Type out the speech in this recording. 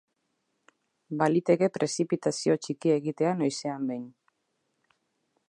Baliteke prezipitazio txikia egitea noizean behin.